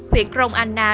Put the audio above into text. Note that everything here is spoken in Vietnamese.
huyện rồng anna